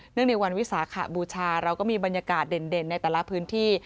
ในวันวิสาขบูชาเราก็มีบรรยากาศเด่นในแต่ละพื้นที่